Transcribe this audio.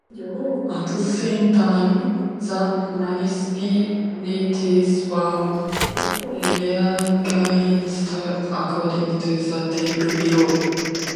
At the same time, the municipalities were reorganised, according to the table below.